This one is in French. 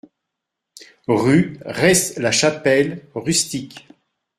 Rue Res La Chapelle, Rustiques